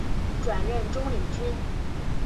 转任中领军。